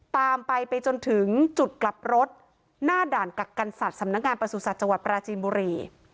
ตามไปไปจนถึงจุดกลับรถหน้าด่านกักกันสัตว์สำนักงานประสุทธิ์จังหวัดปราจีนบุรี